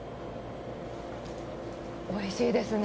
おいしいですね。